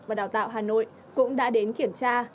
và đào tạo hà nội cũng đã đến kiểm tra